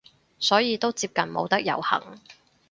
所以都接近冇得遊行